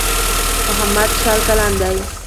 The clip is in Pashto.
محمد شل کلن دی.